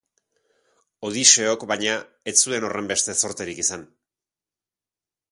Odiseok, baina, ez zuen horrenbeste zorte izan.